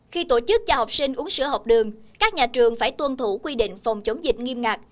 khi tổ chức cho học sinh uống sữa học đường các nhà trường phải tuân thủ quy định phòng chống dịch nghiêm ngặt